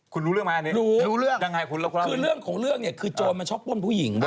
คุณรู้เรื่องคือเรื่องของเรื่องเนี่ยคือโจรมันชอบป้นผู้หญิงด้วย